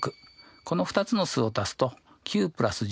この２つの数を足すと９＋１６で２５。